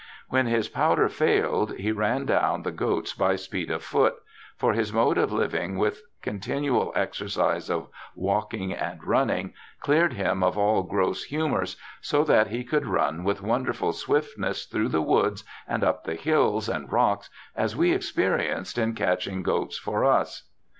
When his powder failed he ran down the goats by speed of foot ; for his mode of living with continual exercise of walking and running cleared him of all gross humours, so that he could run with wonderful swiftness through the woods and up the hills and rocks, as we experienced in catching goats for us.